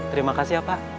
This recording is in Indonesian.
terima kasih ya pak